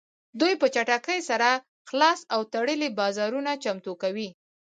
دوی په چټکۍ سره خلاص او تړلي بازارونه چمتو کوي